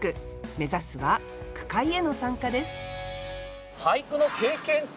目指すは句会への参加です